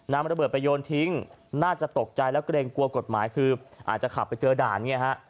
ระเบิดไปโยนทิ้งน่าจะตกใจแล้วเกรงกลัวกฎหมายคืออาจจะขับไปเจอด่านเนี่ยฮะ